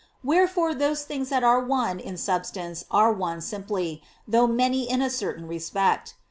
Wherefore those things that are one in substance are one simply, though many in a certain respect.